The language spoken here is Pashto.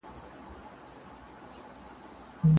که تاسو هغه مهال مرسته کړي وای، ستونزه به حل وه.